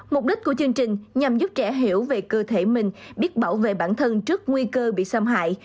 mục đích của chương trình nhằm giúp trẻ hiểu về cơ thể mình biết bảo vệ bản thân trước nguy cơ bị xâm hại